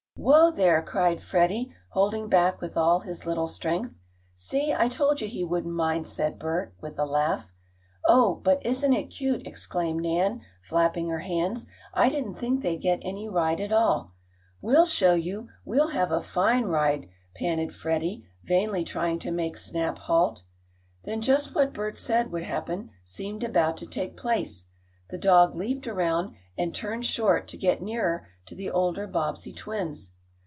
"Whoa there!" cried Freddie, holding back with all his little strength. "See, I told you he wouldn't mind," said Bert, with a laugh. "Oh, but isn't it cute!" exclaimed Nan, flapping her hands. "I didn't think they'd get any ride at all." "We'll show you! We'll have a fine ride!" panted Freddie, vainly trying to make Snap halt. Then just what Bert said would happen seemed about to take place. The dog leaped around, and turned short to get nearer to the older Bobbsey twins.